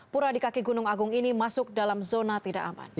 pura di kaki gunung agung ini masuk dalam zona tidak aman